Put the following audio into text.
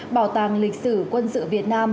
bảo tàng lịch sử quân sự việt nam